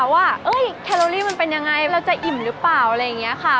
ว่าแคลอรี่มันเป็นยังไงเราจะอิ่มหรือเปล่าอะไรอย่างนี้ค่ะ